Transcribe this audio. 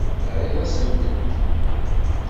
Terriḍ-asent-tent.